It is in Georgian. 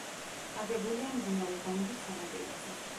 აგებულია მდინარე განგის სანაპიროზე.